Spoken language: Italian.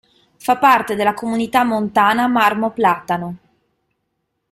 Fa parte della Comunità montana Marmo Platano.